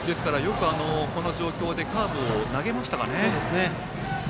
この状況でよくカーブを投げましたね。